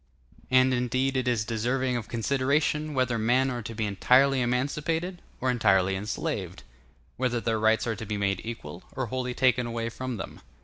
]] And indeed it is deserving of consideration, whether men are to be entirely emancipated or entirely enslaved; whether their rights are to be made equal, or wholly taken away from them.